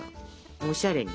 おしゃれに。